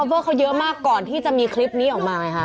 เวอร์เขาเยอะมากก่อนที่จะมีคลิปนี้ออกมาไงคะ